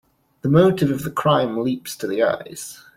The motive of the crime leaps to the eyes.